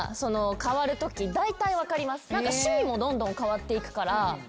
趣味もどんどん変わっていくからあ